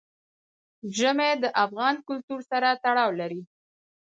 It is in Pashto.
ژمی د افغان کلتور سره تړاو لري.